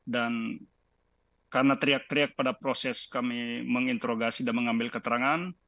dan karena teriak teriak pada proses kami menginterogasi dan mengambil keterangan